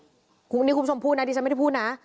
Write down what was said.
คุณผู้ชมพูดนะดิฉันไม่ได้พูดนะ